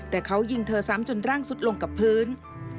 แต่เขายิงเธอซ้ำจนร่างสุดลงกับพื้น